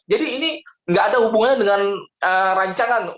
jadi ini nggak ada hubungannya dengan rancangan